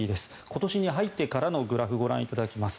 今年に入ってからのグラフご覧いただきます。